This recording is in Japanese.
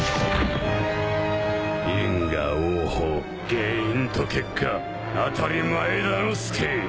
因果応報原因と結果あたり前田の助